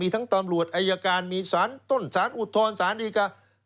มีทั้งตอบรวจไอยการมีศาลอุทธรรมศาลดีการ